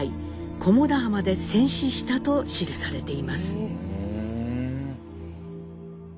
小茂田浜で戦死したと記されています。